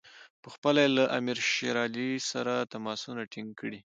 پخپله یې له امیر شېر علي سره تماسونه ټینګ کړي.